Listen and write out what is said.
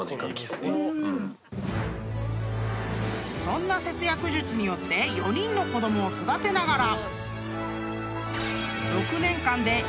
［そんな節約術によって４人の子供を育てながら］